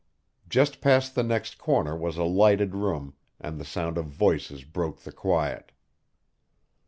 Just past the next corner was a lighted room, and the sound of voices broke the quiet.